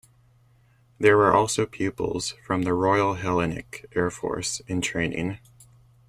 There were also pupils from the Royal Hellenic Air Force in training.